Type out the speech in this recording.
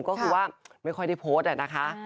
ก็คือว่าไม่ค่อยได้โพสต์อะนะคะ